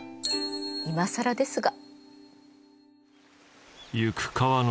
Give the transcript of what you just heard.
いまさらですが。